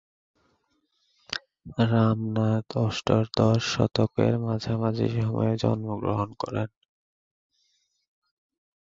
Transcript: রামনাথ অষ্টাদশ শতকের মাঝামাঝি সময়ে জন্মগ্রহণ করেন।